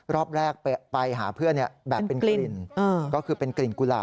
รอบแรกไปหาเพื่อนแบบเป็นกลิ่นก็คือเป็นกลิ่นกุหลาบ